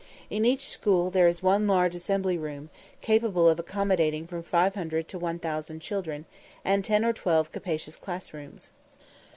In each school there is one large assembly room, capable of accommodating from 500 to 1000 children, and ten or twelve capacious class rooms.